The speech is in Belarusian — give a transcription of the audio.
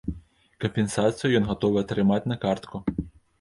Кампенсацыю ён гатовы атрымаць на картку.